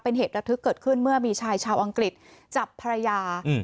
เป็นเหตุระทึกเกิดขึ้นเมื่อมีชายชาวอังกฤษจับภรรยาอืม